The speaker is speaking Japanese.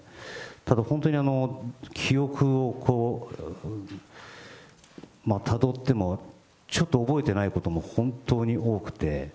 ただ本当に、記憶をたどっても、ちょっと覚えてないことも本当に多くて、